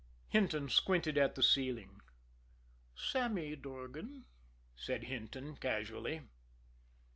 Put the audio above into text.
Hinton squinted at the ceiling. "Sammy Durgan," said Hinton casually.